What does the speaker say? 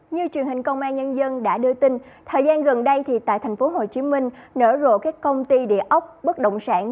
như truyền hình công an nhân dân đã đưa tin thời gian gần đây tại tp hcm nở rộ các công ty địa ốc bất động sản